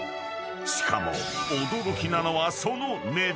［しかも驚きなのはその値段］